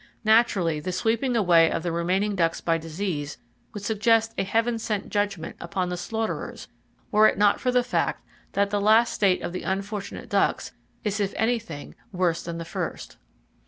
Naturally, the sweeping away of the remaining ducks by disease would suggest a heaven sent judgment upon the slaughterers were it not for the fact that the last state of the unfortunate ducks is if anything worse than the first.